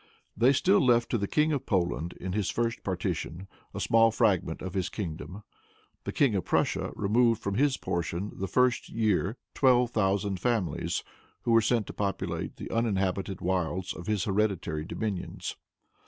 They still left to the King of Poland, in this first partition, a small fragment of his kingdom. The King of Prussia removed from his portion the first year twelve thousand families, who were sent to populate the uninhabited wilds of his hereditary dominions.